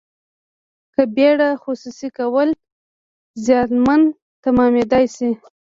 په بیړه خصوصي کول زیانمن تمامیدای شي.